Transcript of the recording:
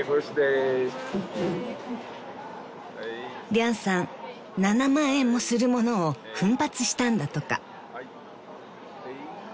［リャンさん７万円もするものを奮発したんだとか］